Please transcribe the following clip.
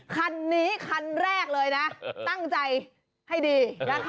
คันนี้คันแรกเลยนะตั้งใจให้ดีนะคะ